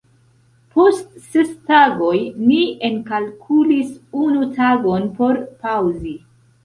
Post ses tagoj ni enkalkulis unu tagon por paŭzi.